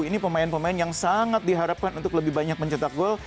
ini pemain pemain yang sangat diharapkan untuk lebih banyak mencetak gol